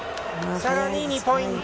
さらに２ポイント。